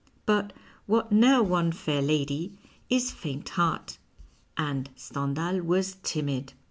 but what neer won fair lady is faint heart, and Stendhal was timid.